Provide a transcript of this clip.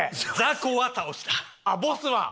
あっボスは。